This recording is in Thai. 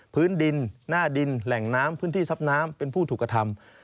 พื้นดินหน้าดินแหล่งน้ำพื้นที่ซับน้ำเป็นผู้ถูกกระทำ